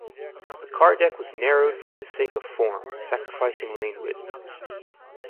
The car deck was narrowed for the sake of form, sacrificing lane width.